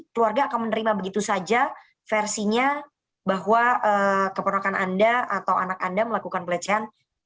keluarga akan menerima begitu saja versinya bahwa keponakan anda atau anak anda melakukan pelecehan